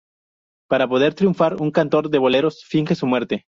Para poder triunfar un cantor de boleros finge su muerte.